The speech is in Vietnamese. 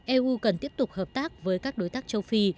eu cần tiếp tục hợp tác với các đối tác châu phi